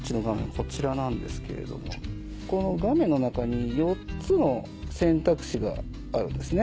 こちらなんですけれどもここの画面の中に４つの選択肢があるんですね。